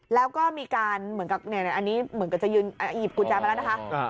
แล้วก็มีการเหมือนกับอันนี้เหมือนกับจะยืนหยิบกุญแจมาแล้วนะคะ